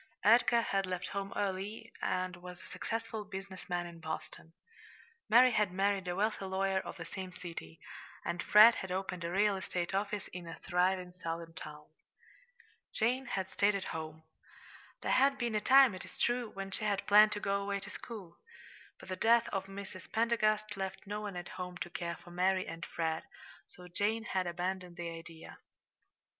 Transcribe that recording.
Edgar had left home early, and was a successful business man in Boston. Mary had married a wealthy lawyer of the same city; and Fred had opened a real estate office in a thriving Southern town. Jane had stayed at home. There had been a time, it is true, when she had planned to go away to school; but the death of Mrs. Pendergast left no one at home to care for Mary and Fred, so Jane had abandoned the idea.